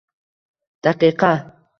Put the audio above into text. daqiqa